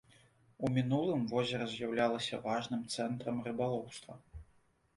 У мінулым возера з'яўлялася важным цэнтрам рыбалоўства.